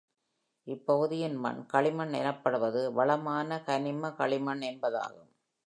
இப்பகுதியின் மண் களிமண் எனப்படுவது வளமான கனிம களிமண் என்பதாகும்.